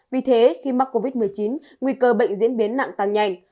vì thế khi mắc covid một mươi chín nguy cơ bệnh diễn biến nặng tăng nhanh